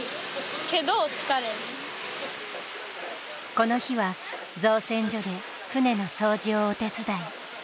この日は造船所で船の掃除をお手伝い。